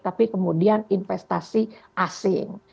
tapi kemudian investasi asing